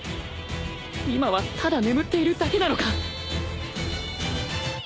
今はただ眠っているだけなのか！？